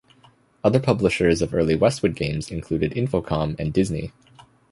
Other publishers of early Westwood games included Infocom and Disney.